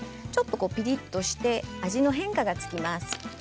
ちょっとピリッとして味の変化がつきます。